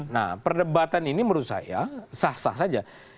nah perdebatan ini menurut saya sah sah saja